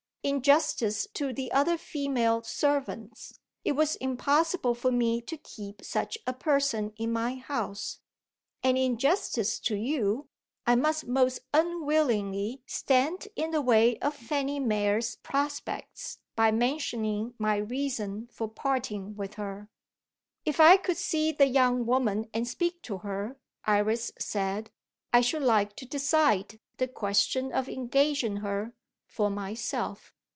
"In justice to the other female servants, it was impossible for me to keep such a person in my house; and, in justice to you, I must most unwillingly stand in the way of Fanny Mere's prospects by mentioning my reason for parting with her." "If I could see the young woman and speak to her," Iris said, "I should like to decide the question of engaging her, for myself."